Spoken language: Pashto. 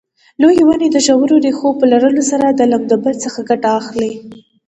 لویې ونې د ژورو ریښو په لرلو سره د لمدبل څخه ګټه اخلي.